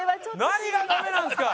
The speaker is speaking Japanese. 何がダメなんですか？